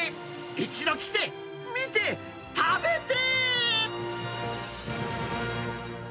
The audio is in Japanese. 一度来て、見て、食べて！